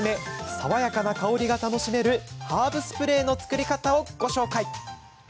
爽やかな香りが楽しめるハーブスプレーの作り方をご紹介。